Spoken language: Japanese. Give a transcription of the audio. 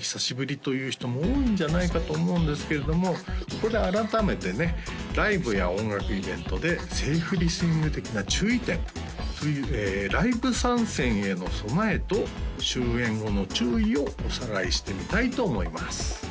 久しぶりという人も多いんじゃないかと思うんですけれどもここで改めてねライブや音楽イベントでセーフリスニング的な注意点というをおさらいしてみたいと思います